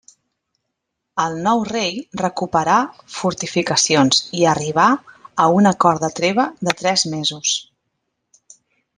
El nou rei recuperà fortificacions i arribà a un acord de treva de tres mesos.